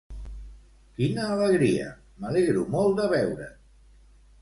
Quina alegria, m'alegro molt de veure't!